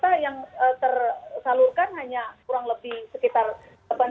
ternyata yang tersalurkan hanya kurang lebih sekitar seratus ribu paket sembako